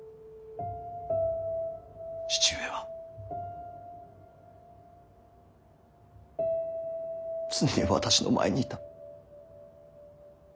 父上は常に私の前にいた。